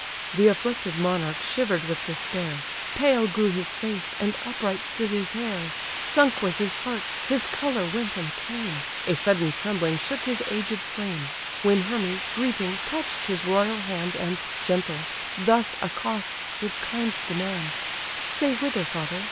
The afflicted monarch shiver'd with despair; Pale grew his face, and upright stood his hair; Sunk was his heart; his colour went and came; A sudden trembling shook his aged frame: When Hermes, greeting, touch'd his royal hand, And, gentle, thus accosts with kind demand: "Say whither, father!